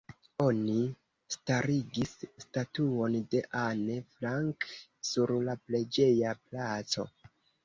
Oni starigis statuon de Anne Frank sur la preĝeja placo.